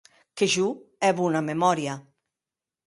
Que jo è bona memòria.